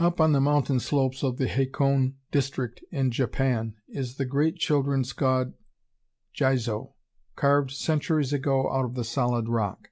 Up on the mountain slopes of the Hakone District in Japan, is the great children's god, Jizo, carved centuries ago out of the solid rock.